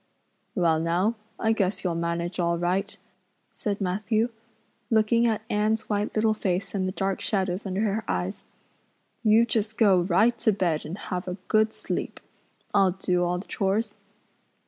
"Well now, I guess you'll manage all right," said Matthew, looking at Anne's white little face and the dark shadows under her eyes. "You just go right to bed and have a good sleep. I'll do all the chores."